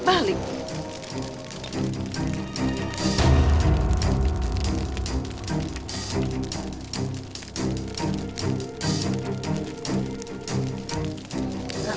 gak aktif lagi nomernya